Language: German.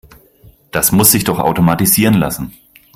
Das muss sich doch automatisieren lassen.